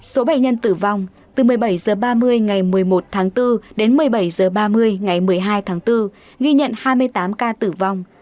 số bệnh nhân tử vong từ một mươi bảy h ba mươi ngày một mươi một tháng bốn đến một mươi bảy h ba mươi ngày một mươi hai tháng bốn ghi nhận hai mươi tám ca tử vong